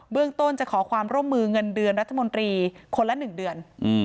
เบื้องต้นจะขอความร่มมือเงินเดือนคนละ๑เดือน